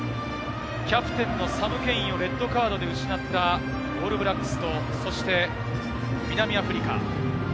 キャプテン、サム・ケインのレッドカードで失ったオールブラックス。